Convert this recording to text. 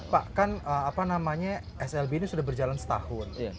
pak kan slb ini sudah berjalan setahun